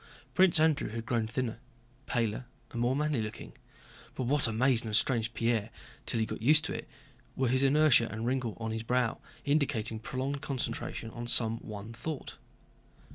Prince Andrew had grown thinner, paler, and more manly looking, but what amazed and estranged Pierre till he got used to it were his inertia and a wrinkle on his brow indicating prolonged concentration on some one thought.